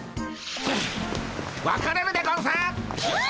分かれるでゴンス！